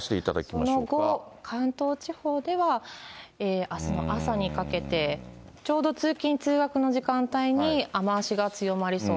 その後、関東地方では、あすの朝にかけて、ちょうど通勤・通学の時間帯に雨足が強まりそう。